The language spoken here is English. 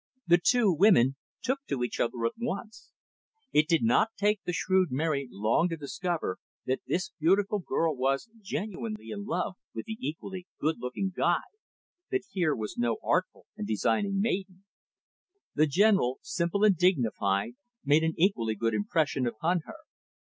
The two women took to each other at once. It did not take the shrewd Mary long to discover that this beautiful girl was genuinely in love with the equally good looking Guy, that here was no artful and designing maiden. The General, simple and dignified, made an equally good impression upon her.